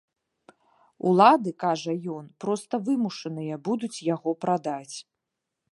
Улады, кажа ён, проста вымушаныя будуць яго прадаць.